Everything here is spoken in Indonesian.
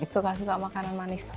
suka suka makanan manis